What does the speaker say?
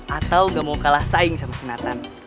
atau gak mau kalah saing sama sinathan